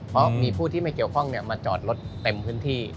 เพราะมีผู้ที่ไม่เกี่ยวข้องมาจอดรถเต็มพื้นที่